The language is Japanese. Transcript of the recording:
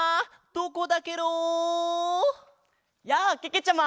やあけけちゃま！